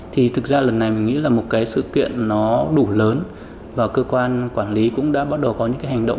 thì thực ra lần này mình nghĩ là một cái sự kiện nó đủ lớn